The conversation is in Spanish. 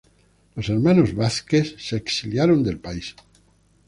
Los hermanos Vázquez se exiliaron del país.